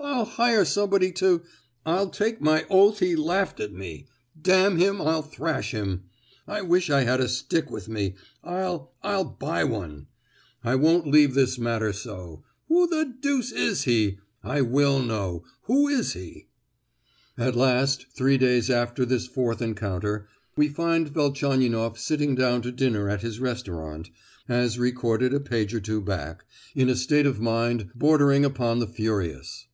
I'll—I'll hire somebody to—I'll take my oath he laughed at me! D—n him, I'll thrash him. I wish I had a stick with me. I'll—I'll buy one! I won't leave this matter so. Who the deuce is he? I will know! Who is he?" At last, three days after this fourth encounter, we find Velchaninoff sitting down to dinner at his restaurant, as recorded a page or two back, in a state of mind bordering upon the furious.